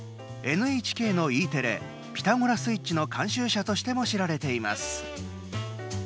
ＮＨＫのＥテレ「ピタゴラスイッチ」の監修者としても知られています。